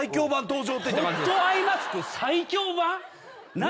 ホットアイマスク最強版？何？